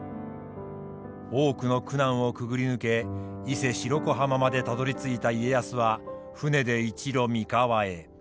多くの苦難をくぐり抜け伊勢・白子浜までたどりついた家康は舟で一路三河へ。